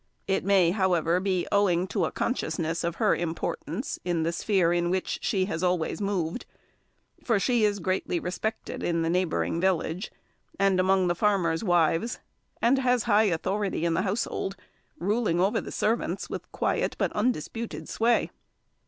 It may, however, be owing to a consciousness of her importance in the sphere in which she has always moved; for she is greatly respected in the neighbouring village, and among the farmers' wives, and has high authority in the household, ruling over the servants with quiet but undisputed sway.